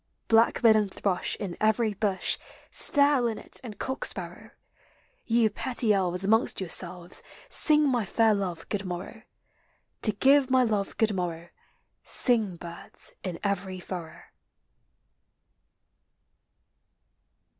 Blackbird and thrush in every bush, Stare, linnet, and cock sparrow, You petty elves, amongst yourselves, Sing my fair love good morrow. To give my love good morrow, Sing, birds, in every furrow.